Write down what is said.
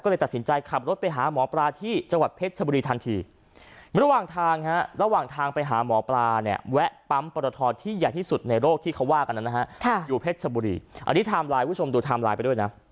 ก็เลยตัดสินใจขับรถไปหาหมอปลาที่จังหวัดเพชรชบุรีทันที